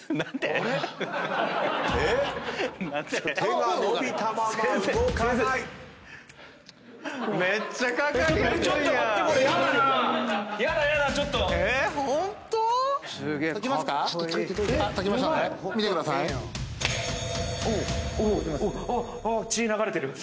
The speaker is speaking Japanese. あ血流れてる。